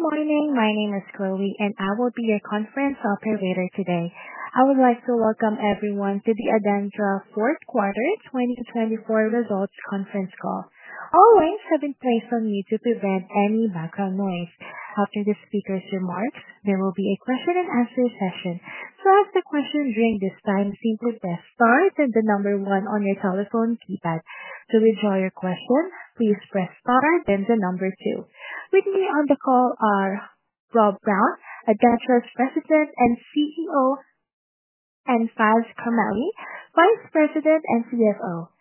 Good morning. My name is Chloe, and I will be your conference operator today. I would like to welcome everyone to the ADENTRA Fourth Quarter 2024 Results Conference Call. All lines have been placed on mute to prevent any background noise. After the speaker's remarks, there will be a question-and-answer session. To ask a question during this time, simply press star and then the number one on your telephone keypad. To withdraw your question, please press star and then the number two. With me on the call are Rob Brown, ADENTRA's President and CEO, and Faiz Karmally, Vice President and CFO.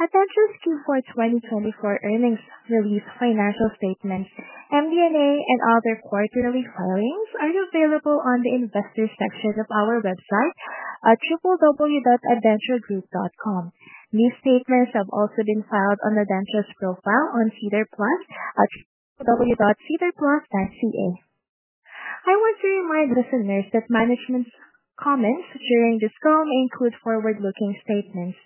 ADENTRA's Q4 2024 earnings release, financial statements, MD&A, and other quarterly filings are available on the investor section of our website, www.adentragroup.com. These statements have also been filed on ADENTRA's profile on SEDAR+, www.sedarplus.ca. I want to remind listeners that management's comments during this call may include forward-looking statements.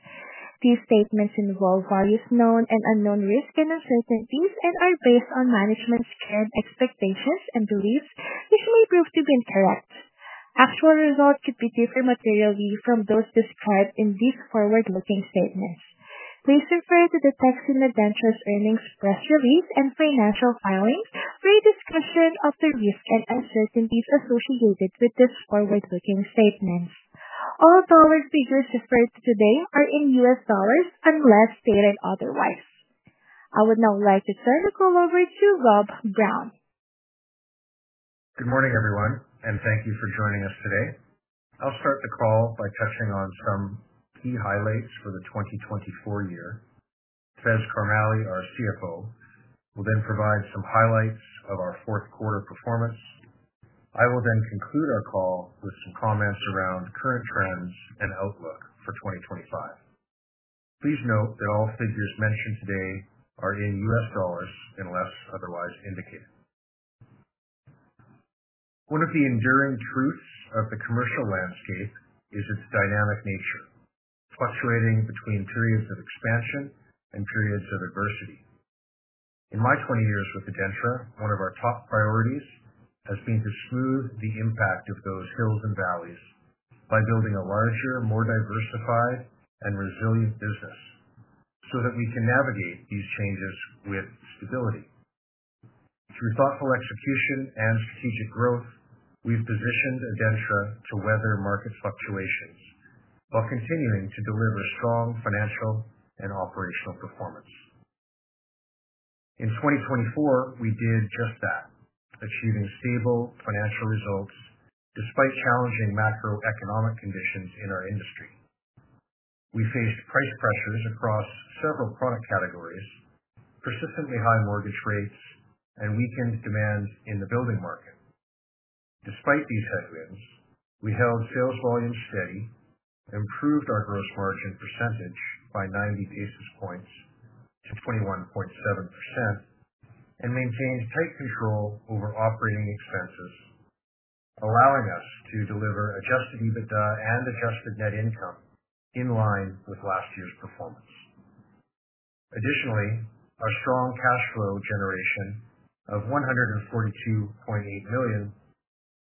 These statements involve various known and unknown risks and uncertainties and are based on management's current expectations and beliefs, which may prove to be incorrect. Actual results could be different materially from those described in these forward-looking statements. Please refer to the text in ADENTRA's earnings press release and financial filings for a discussion of the risks and uncertainties associated with these forward-looking statements. All dollar figures referred to today are in $ unless stated otherwise. I would now like to turn the call over to Rob Brown. Good morning, everyone, and thank you for joining us today. I'll start the call by touching on some key highlights for the 2024 year. Faiz Karmally, our CFO, will then provide some highlights of our fourth quarter performance. I will then conclude our call with some comments around current trends and outlook for 2025. Please note that all figures mentioned today are in US dollars unless otherwise indicated. One of the enduring truths of the commercial landscape is its dynamic nature, fluctuating between periods of expansion and periods of adversity. In my 20 years with ADENTRA, one of our top priorities has been to smooth the impact of those hills and valleys by building a larger, more diversified, and resilient business so that we can navigate these changes with stability. Through thoughtful execution and strategic growth, we've positioned ADENTRA to weather market fluctuations while continuing to deliver strong financial and operational performance. In 2024, we did just that, achieving stable financial results despite challenging macroeconomic conditions in our industry. We faced price pressures across several product categories, persistently high mortgage rates, and weakened demand in the building market. Despite these headwinds, we held sales volumes steady, improved our gross margin percentage by 90 basis points to 21.7%, and maintained tight control over operating expenses, allowing us to deliver adjusted EBITDA and adjusted net income in line with last year's performance. Additionally, our strong cash flow generation of $142.8 million,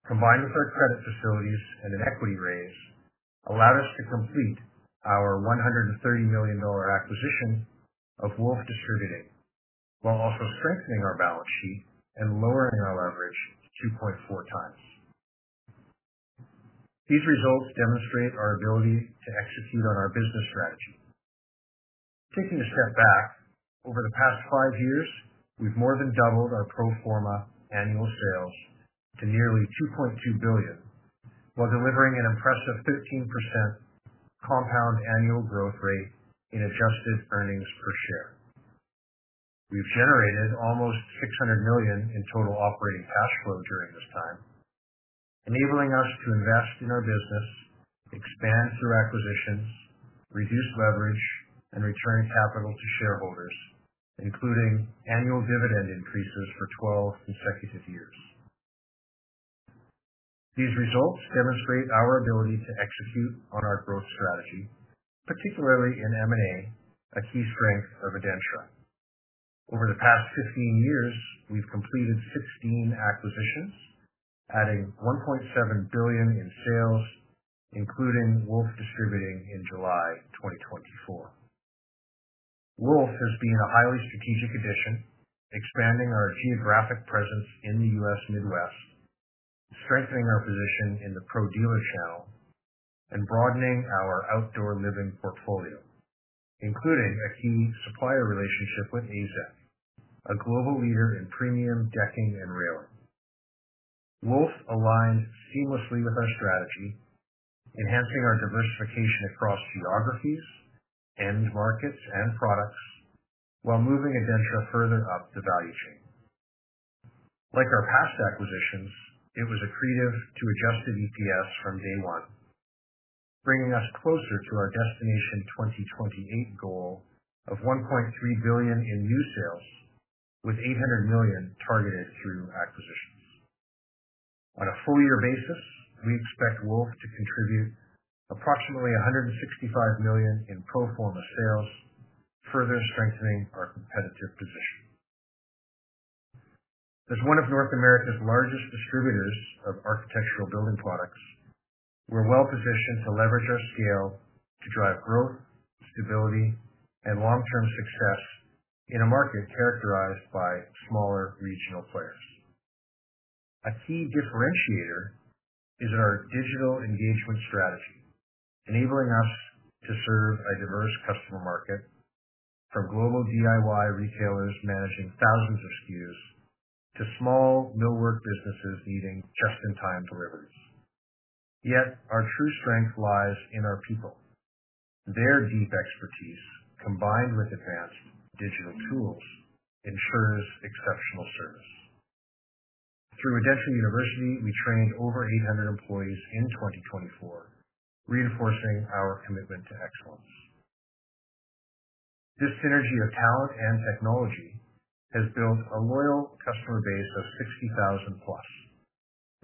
combined with our credit facilities and an equity raise, allowed us to complete our $130 million acquisition of Woolf Distributing while also strengthening our balance sheet and lowering our leverage 2.4 times. These results demonstrate our ability to execute on our business strategy. Taking a step back, over the past five years, we've more than doubled our pro forma annual sales to nearly $2.2 billion while delivering an impressive 13% compound annual growth rate in adjusted earnings per share. We've generated almost $600 million in total operating cash flow during this time, enabling us to invest in our business, expand through acquisitions, reduce leverage, and return capital to shareholders, including annual dividend increases for 12 consecutive years. These results demonstrate our ability to execute on our growth strategy, particularly in M&A, a key strength of ADENTRA. Over the past 15 years, we've completed 16 acquisitions, adding $1.7 billion in sales, including Woolf Distributing in July 2024. Wolf has been a highly strategic addition, expanding our geographic presence in the U.S. Midwest, strengthening our position in the pro-dealer channel, and broadening our outdoor living portfolio, including a key supplier relationship with AZEK, a global leader in premium decking and railing. Wolf aligns seamlessly with our strategy, enhancing our diversification across geographies, end markets, and products while moving ADENTRA further up the value chain. Like our past acquisitions, it was accretive to adjusted EPS from day one, bringing us closer to our Destination 2028 goal of $1.3 billion in new sales, with $800 million targeted through acquisitions. On a full-year basis, we expect Wolf to contribute approximately $165 million in pro forma sales, further strengthening our competitive position. As one of North America's largest distributors of architectural building products, we're well positioned to leverage our scale to drive growth, stability, and long-term success in a market characterized by smaller regional players. A key differentiator is our digital engagement strategy, enabling us to serve a diverse customer market, from global DIY retailers managing thousands of SKUs to small millwork businesses needing just-in-time deliveries. Yet, our true strength lies in our people. Their deep expertise, combined with advanced digital tools, ensures exceptional service. Through ADENTRA University, we trained over 800 employees in 2024, reinforcing our commitment to excellence. This synergy of talent and technology has built a loyal customer base of 60,000 plus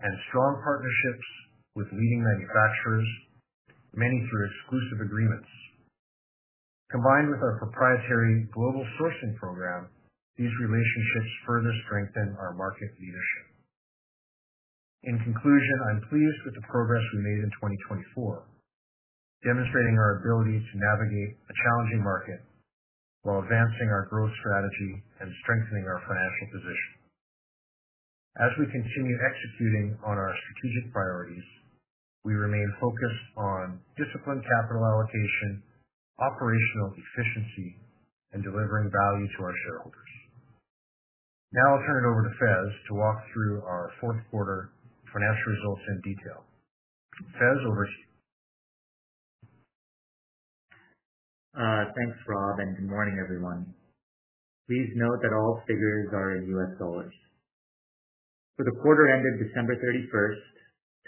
and strong partnerships with leading manufacturers, many through exclusive agreements. Combined with our proprietary global sourcing program, these relationships further strengthen our market leadership. In conclusion, I'm pleased with the progress we made in 2024, demonstrating our ability to navigate a challenging market while advancing our growth strategy and strengthening our financial position. As we continue executing on our strategic priorities, we remain focused on disciplined capital allocation, operational efficiency, and delivering value to our shareholders. Now I'll turn it over to Faiz to walk through our fourth quarter financial results in detail. Faiz, over to you. Thanks, Rob, and good morning, everyone. Please note that all figures are in U.S. dollars. For the quarter ended December 31,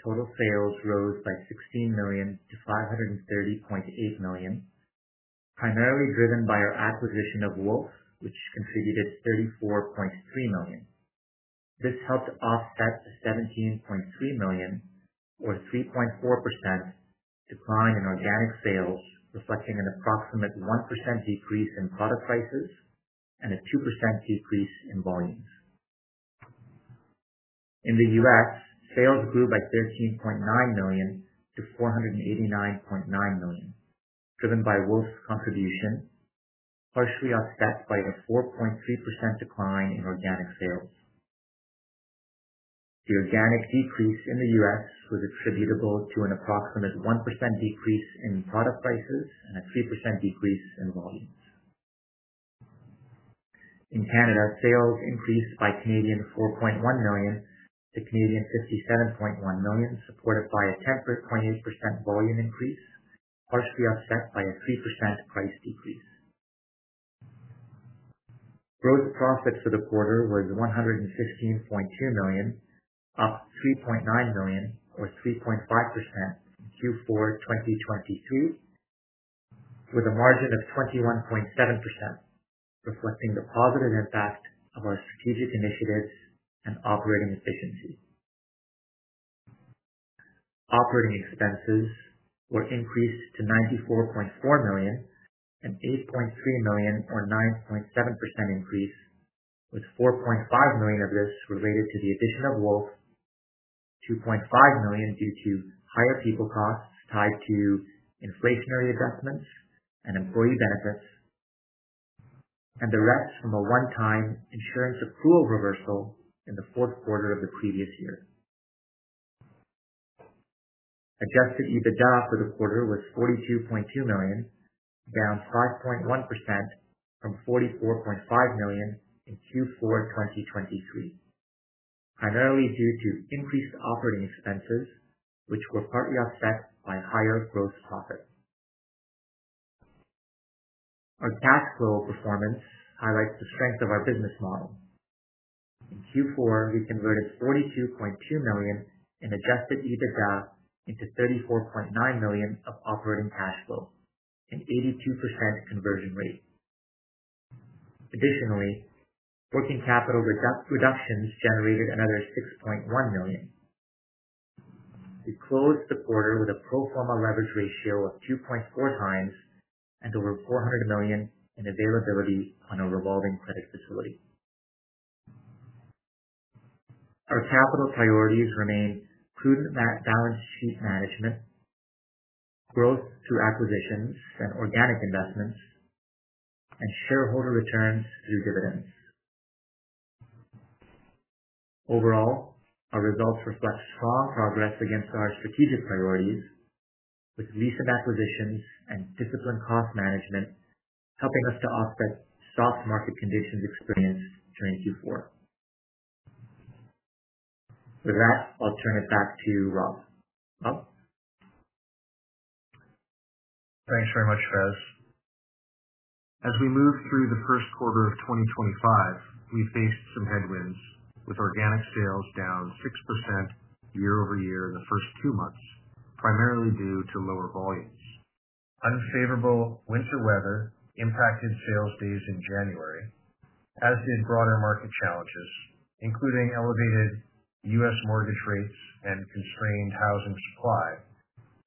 total sales rose by $16 million-$530.8 million, primarily driven by our acquisition of Wolf, which contributed $34.3 million. This helped offset the $17.3 million, or 3.4%, decline in organic sales, reflecting an approximate 1% decrease in product prices and a 2% decrease in volumes. In the U.S., sales grew by $13.9 million-$489.9 million, driven by Wolf's contribution, partially offset by a 4.3% decline in organic sales. The organic decrease in the U.S. was attributable to an approximate 1% decrease in product prices and a 3% decrease in volumes. In Canada, sales increased by 4.1 million to 57.1 million, supported by a 10.8% volume increase, partially offset by a 3% price decrease. Gross profit for the quarter was $115.2 million, up $3.9 million, or 3.5% in Q4 2023, with a margin of 21.7%, reflecting the positive impact of our strategic initiatives and operating efficiency. Operating expenses were increased to $94.4 million and $8.3 million, or 9.7% increase, with $4.5 million of this related to the addition of Wolf, $2.5 million due to higher people costs tied to inflationary adjustments and employee benefits, and the rest from a one-time insurance accrual reversal in the fourth quarter of the previous year. Adjusted EBITDA for the quarter was $42.2 million, down 5.1% from $44.5 million in Q4 2023, primarily due to increased operating expenses, which were partly offset by higher gross profit. Our cash flow performance highlights the strength of our business model. In Q4, we converted $42.2 million in adjusted EBITDA into $34.9 million of operating cash flow, an 82% conversion rate. Additionally, working capital reductions generated another $6.1 million. We closed the quarter with a pro forma leverage ratio of 2.4 times and over $400 million in availability on a revolving credit facility. Our capital priorities remain prudent balance sheet management, growth through acquisitions and organic investments, and shareholder returns through dividends. Overall, our results reflect strong progress against our strategic priorities, with recent acquisitions and disciplined cost management helping us to offset soft market conditions experienced during Q4. With that, I'll turn it back to Rob. Rob? Thanks very much, Faiz. As we move through the first quarter of 2025, we faced some headwinds, with organic sales down 6% year over year in the first two months, primarily due to lower volumes. Unfavorable winter weather impacted sales days in January, as did broader market challenges, including elevated U.S. mortgage rates and constrained housing supply,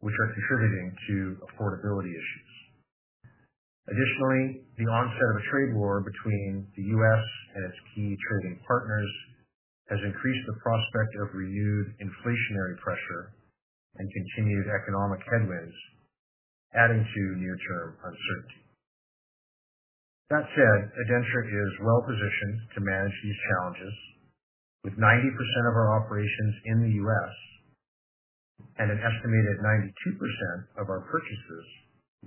which are contributing to affordability issues. Additionally, the onset of a trade war between the U.S. and its key trading partners has increased the prospect of renewed inflationary pressure and continued economic headwinds, adding to near-term uncertainty. That said, ADENTRA is well positioned to manage these challenges, with 90% of our operations in the U.S. and an estimated 92% of our purchases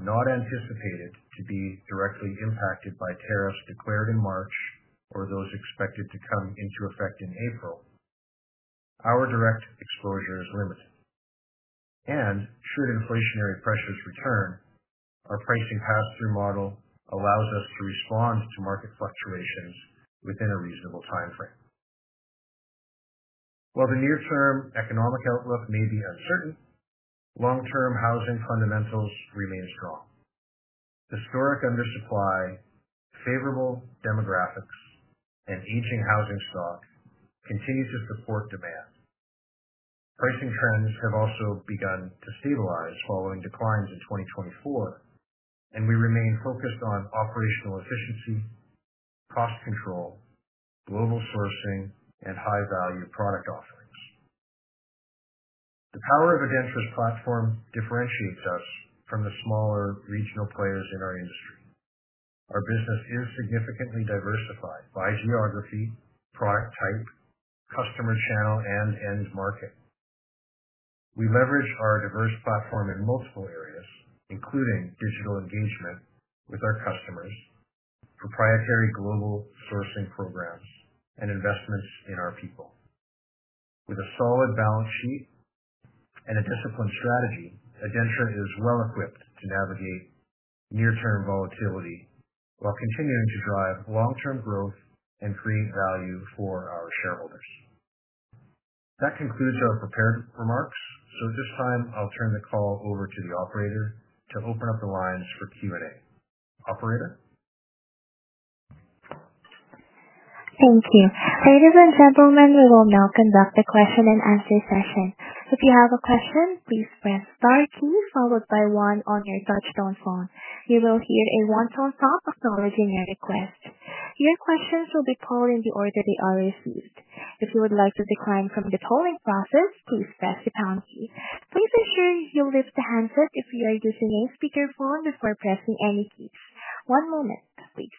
not anticipated to be directly impacted by tariffs declared in March or those expected to come into effect in April. Our direct exposure is limited. Should inflationary pressures return, our pricing pass-through model allows us to respond to market fluctuations within a reasonable timeframe. While the near-term economic outlook may be uncertain, long-term housing fundamentals remain strong. Historic undersupply, favorable demographics, and aging housing stock continue to support demand. Pricing trends have also begun to stabilize following declines in 2024, and we remain focused on operational efficiency, cost control, global sourcing, and high-value product offerings. The power of ADENTRA's platform differentiates us from the smaller regional players in our industry. Our business is significantly diversified by geography, product type, customer channel, and end market. We leverage our diverse platform in multiple areas, including digital engagement with our customers, proprietary global sourcing programs, and investments in our people. With a solid balance sheet and a disciplined strategy, ADENTRA is well equipped to navigate near-term volatility while continuing to drive long-term growth and create value for our shareholders. That concludes our prepared remarks, so at this time, I'll turn the call over to the operator to open up the lines for Q&A. Operator? Thank you. Ladies and gentlemen, we will now conduct the question-and-answer session. If you have a question, please press the star key followed by one on your touch-tone phone. You will hear a one-tone pop acknowledging your request. Your questions will be polled in the order they are received. If you would like to decline from the polling process, please press the pound key. Please ensure you lift the handset if you are using a speakerphone before pressing any keys. One moment, please.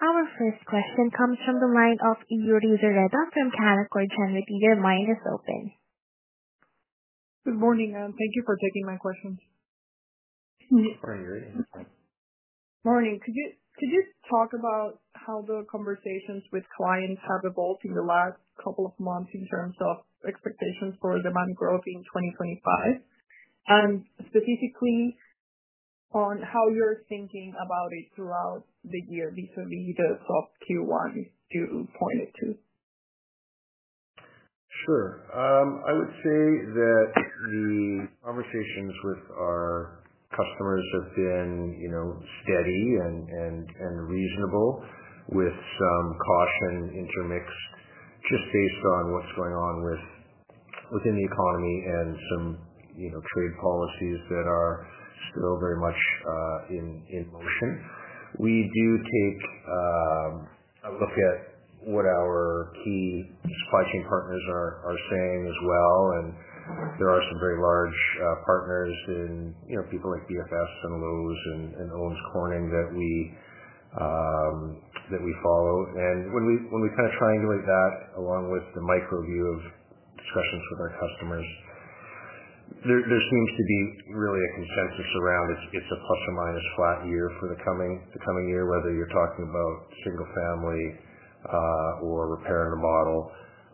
Our first question comes from the line of Yuri Zoreda from Canaccord Genuity. Line is open. Good morning, and thank you for taking my questions. Morning, Yuri. Morning. Could you talk about how the conversations with clients have evolved in the last couple of months in terms of expectations for demand growth in 2025, and specifically on how you're thinking about it throughout the year vis-à-vis the soft Q1 you pointed to? Sure. I would say that the conversations with our customers have been steady and reasonable, with some caution intermixed just based on what's going on within the economy and some trade policies that are still very much in motion. We do take a look at what our key supply chain partners are saying as well. There are some very large partners in people like Builders FirstSource and Lowe's and Owens Corning that we follow. When we kind of triangulate that along with the micro view of discussions with our customers, there seems to be really a consensus around it's a plus or minus flat year for the coming year, whether you're talking about single-family or repair and remodel.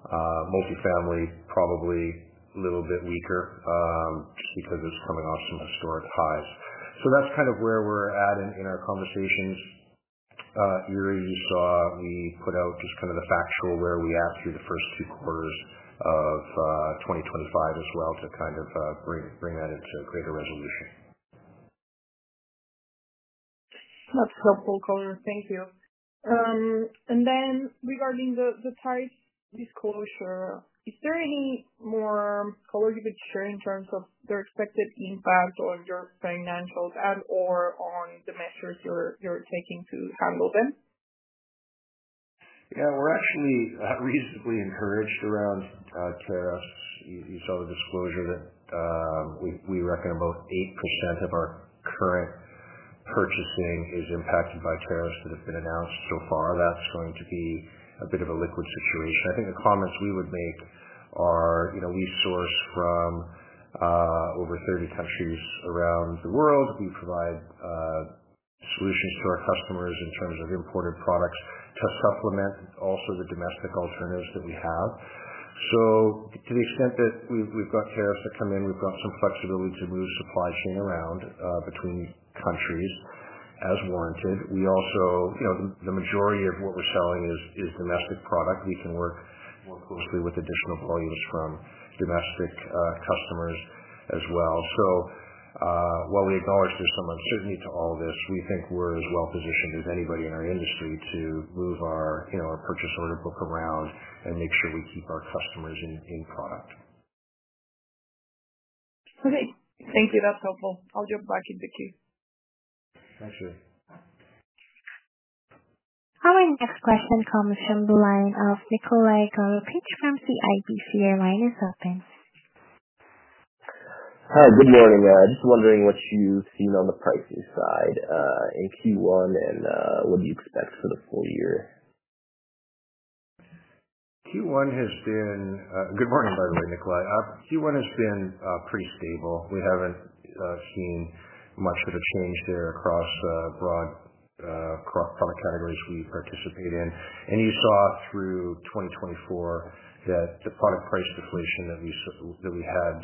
Multifamily, probably a little bit weaker just because it's coming off some historic highs. That's kind of where we're at in our conversations. Irene, you saw we put out just kind of the factual where we at through the first two quarters of 2025 as well to kind of bring that into greater resolution. That's helpful, Color. Thank you. Regarding the tariff disclosure, is there any more, color, you could share in terms of their expected impact on your financials and/or on the measures you're taking to handle them? Yeah, we're actually reasonably encouraged around tariffs. You saw the disclosure that we reckon about 8% of our current purchasing is impacted by tariffs that have been announced so far. That's going to be a bit of a liquid situation. I think the comments we would make are we source from over 30 countries around the world. We provide solutions to our customers in terms of imported products to supplement also the domestic alternatives that we have. To the extent that we've got tariffs that come in, we've got some flexibility to move supply chain around between countries as warranted. The majority of what we're selling is domestic product. We can work more closely with additional volumes from domestic customers as well. While we acknowledge there's some uncertainty to all of this, we think we're as well positioned as anybody in our industry to move our purchase order book around and make sure we keep our customers in product. Okay. Thank you. That's helpful. I'll jump back in the queue. Thanks, Yuri. Our next question comes from the line of Nikolai Goroupitch from CIBC. Your line is open. Hi, good morning. Just wondering what you've seen on the pricing side in Q1 and what do you expect for the full year? Q1 has been good morning, by the way, Nicole. Q1 has been pretty stable. We have not seen much of a change there across broad product categories we participate in. You saw through 2024 that the product price deflation that we had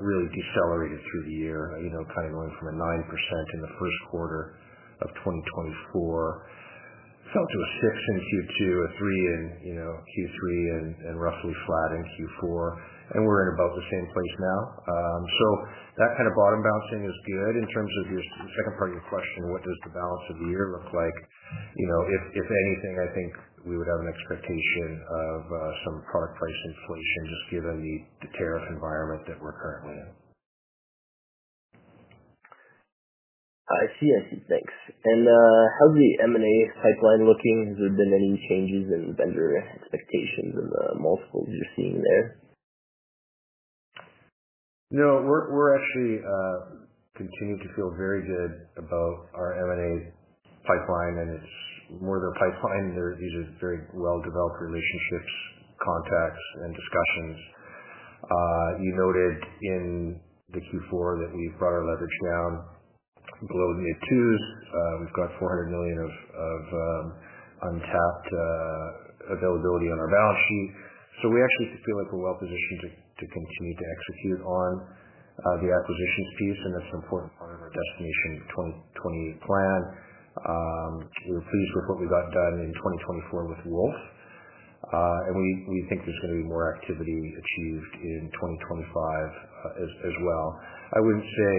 really decelerated through the year, kind of going from a 9% in the first quarter of 2024, fell to a 6% in Q2, a 3% in Q3, and roughly flat in Q4. We are in about the same place now. That kind of bottom-bouncing is good. In terms of your second part of your question, what does the balance of the year look like? If anything, I think we would have an expectation of some product price inflation just given the tariff environment that we are currently in. I see. I see. Thanks. How's the M&A pipeline looking? Has there been any changes in vendor expectations and the multiples you're seeing there? No, we're actually continuing to feel very good about our M&A pipeline, and it's more than a pipeline. These are very well-developed relationships, contacts, and discussions. You noted in the Q4 that we've brought our leverage down below the mid-twos. We've got $400 million of untapped availability on our balance sheet. We actually feel like we're well positioned to continue to execute on the acquisitions piece, and that's an important part of our destination 2028 plan. We're pleased with what we got done in 2024 with Wolf, and we think there's going to be more activity achieved in 2025 as well. I wouldn't say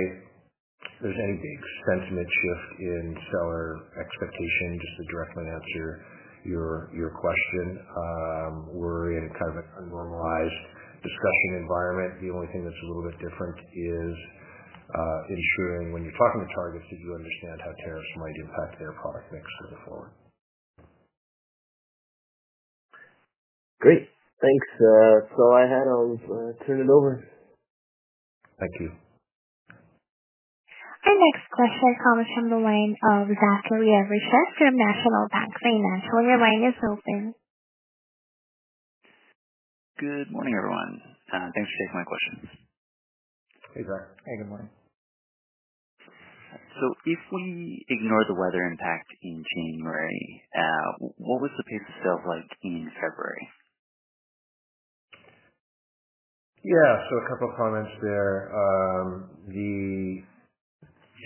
there's any big sentiment shift in seller expectation, just to directly answer your question. We're in kind of a normalized discussion environment. The only thing that's a little bit different is ensuring when you're talking to targets that you understand how tariffs might impact their product mix going forward. Great. Thanks. I had to turn it over. Thank you. Our next question comes from the line of Zachary Evershed from National Bank Financial. Your line is open. Good morning, everyone. Thanks for taking my questions. Hey, Zach. Hey, good morning. If we ignore the weather impact in January, what was the pace of sales like in February? Yeah, so a couple of comments there. The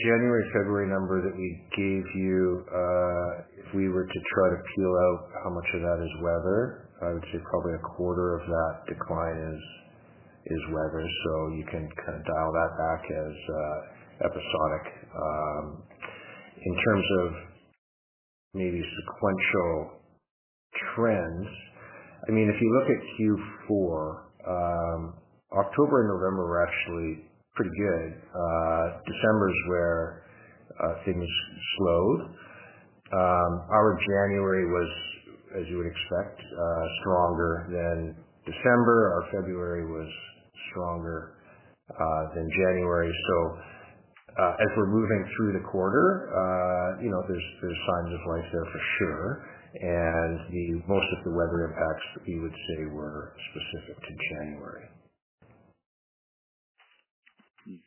January-February number that we gave you, if we were to try to peel out how much of that is weather, I would say probably a quarter of that decline is weather. You can kind of dial that back as episodic. In terms of maybe sequential trends, I mean, if you look at Q4, October and November were actually pretty good. December is where things slowed. Our January was, as you would expect, stronger than December. Our February was stronger than January. As we're moving through the quarter, there's signs of life there for sure. Most of the weather impacts that we would say were specific to January.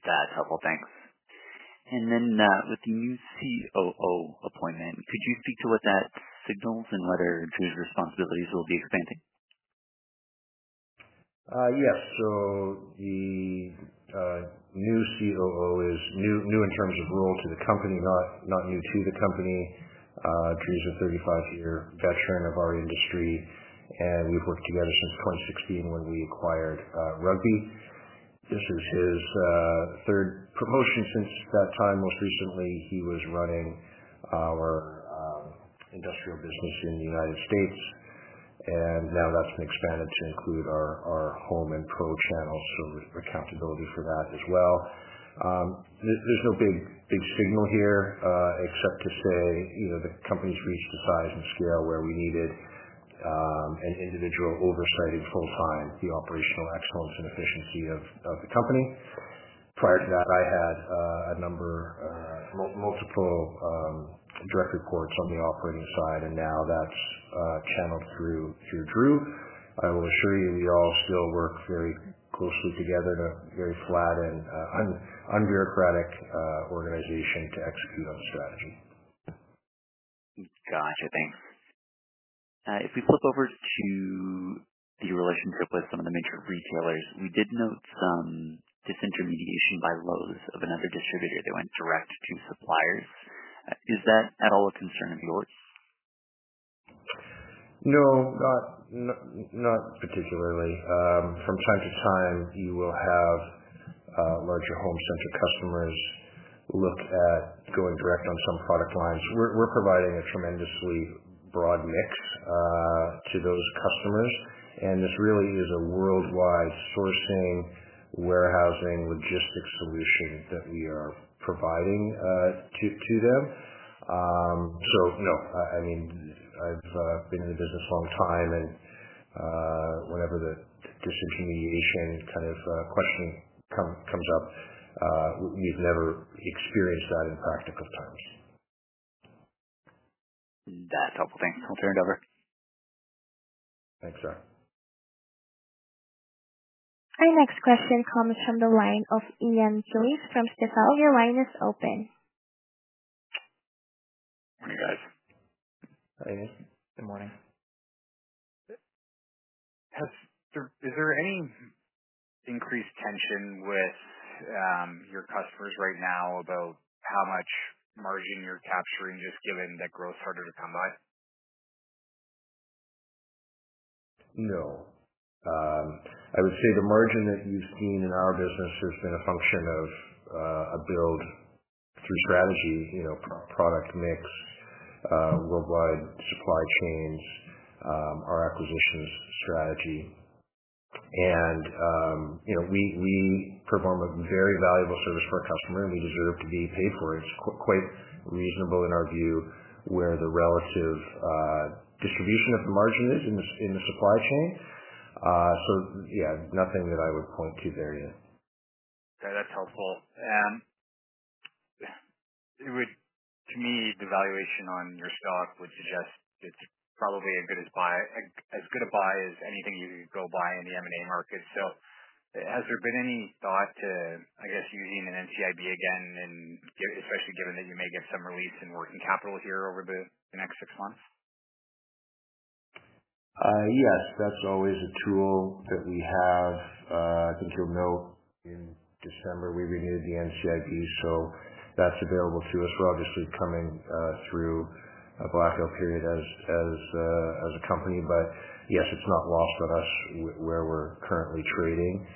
That's helpful. Thanks. With the new COO appointment, could you speak to what that signals and whether Drew's responsibilities will be expanding? Yes. The new COO is new in terms of role to the company, not new to the company. Drew's a 35-year veteran of our industry, and we've worked together since 2016 when we acquired Rugby. This is his third promotion since that time. Most recently, he was running our industrial business in the United States, and now that's been expanded to include our home and pro channels. So accountability for that as well. There's no big signal here except to say the company's reached a size and scale where we needed an individual oversight in full-time, the operational excellence and efficiency of the company. Prior to that, I had a number of multiple direct reports on the operating side, and now that's channeled through Drew. I will assure you we all still work very closely together in a very flat and unbureaucratic organization to execute on the strategy. Gotcha. Thanks. If we flip over to the relationship with some of the major retailers, we did note some disintermediation by Lowe's of another distributor that went direct to suppliers. Is that at all a concern of yours? No, not particularly. From time to time, you will have larger home center customers look at going direct on some product lines. We're providing a tremendously broad mix to those customers, and this really is a worldwide sourcing, warehousing, logistics solution that we are providing to them. No, I mean, I've been in the business a long time, and whenever the disintermediation kind of question comes up, we've never experienced that in practical terms. That's helpful. Thanks. I'll turn it over. Thanks, Zach. Our next question comes from the line of Ian Gillies from Stifel. Your line is open. Morning, guys. Hi, Ian. Good morning. Is there any increased tension with your customers right now about how much margin you're capturing just given that growth's harder to come by? No. I would say the margin that you've seen in our business has been a function of a build-through-strategy, product mix, worldwide supply chains, our acquisitions strategy. We perform a very valuable service for our customer, and we deserve to be paid for it. It is quite reasonable in our view where the relative distribution of the margin is in the supply chain. Yeah, nothing that I would point to there yet. That's helpful. To me, the valuation on your stock would suggest it's probably as good a buy as anything you could go buy in the M&A market. Has there been any thought to, I guess, using an NCIB again, especially given that you may get some release in working capital here over the next six months? Yes. That's always a tool that we have. I think you know in December we renewed the NCIB, so that's available to us. We're obviously coming through a blackout period as a company, but yes, it's not lost on us where we're currently trading.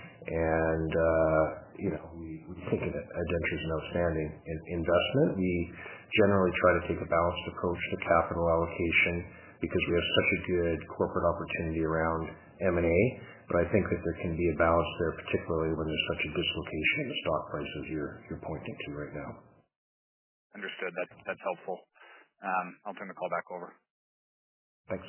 We think of it as an interesting and outstanding investment. We generally try to take a balanced approach to capital allocation because we have such a good corporate opportunity around M&A. I think that there can be a balance there, particularly when there's such a dislocation in the stock prices you're pointing to right now. Understood. That's helpful. I'll turn the call back over. Thanks.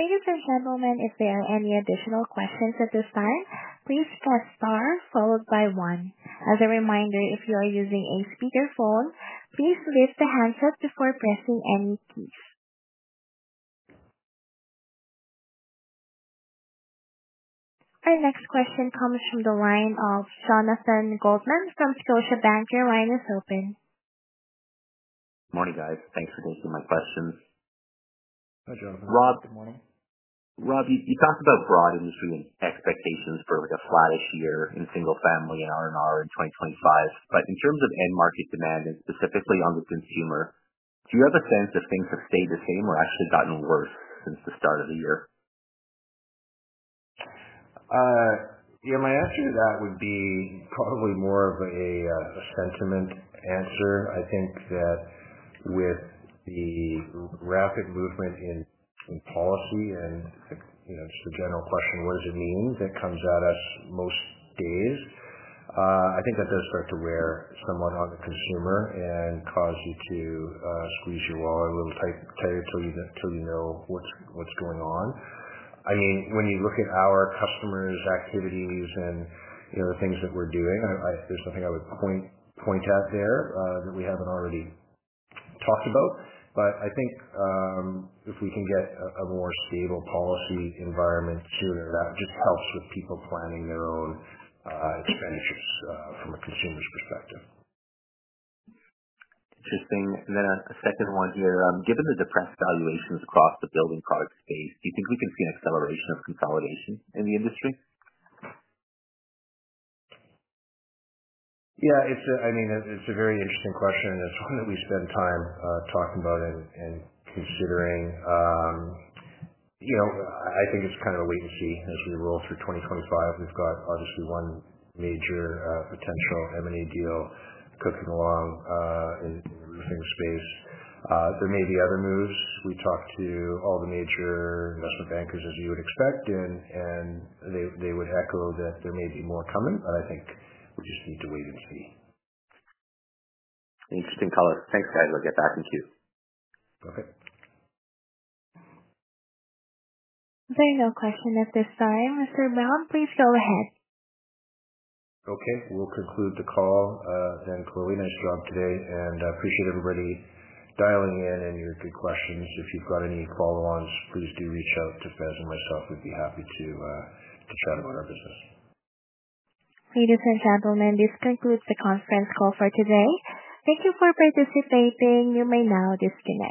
Thank you, gentlemen. If there are any additional questions at this time, please press star followed by one. As a reminder, if you are using a speakerphone, please lift the handset before pressing any keys. Our next question comes from the line of Jonathan Goldman from Scotiabank. Your line is open. Morning, guys. Thanks for taking my questions. Hi, Jonathan. Rob. Good morning. Rob, you talked about broad industry and expectations for a flattish year in single-family and R&R in 2025, but in terms of end-market demand and specifically on the consumer, do you have a sense if things have stayed the same or actually gotten worse since the start of the year? Yeah, my answer to that would be probably more of a sentiment answer. I think that with the rapid movement in policy and just the general question, "What does it mean?" that comes at us most days, I think that does start to wear somewhat on the consumer and cause you to squeeze your wallet a little tighter until you know what's going on. I mean, when you look at our customers' activities and the things that we're doing, there's nothing I would point at there that we haven't already talked about. I think if we can get a more stable policy environment sooner, that just helps with people planning their own expenditures from a consumer's perspective. Interesting. Then a second one here. Given the depressed valuations across the building product space, do you think we can see an acceleration of consolidation in the industry? Yeah. I mean, it's a very interesting question, and it's one that we spend time talking about and considering. I think it's kind of a wait and see. As we roll through 2025, we've got obviously one major potential M&A deal cooking along in the roofing space. There may be other moves. We talked to all the major investment bankers, as you would expect, and they would echo that there may be more coming, but I think we just need to wait and see. Interesting. Thanks, guys. I'll get back in queue. Okay. There are no questions at this time. Mr. Brown, please go ahead. Okay. We'll conclude the call. Thanks, Lily. Nice job today. I appreciate everybody dialing in and your good questions. If you've got any follow-ons, please do reach out to Faiz and myself. We'd be happy to chat about our business. Ladies and gentlemen, this concludes the conference call for today. Thank you for participating. You may now disconnect.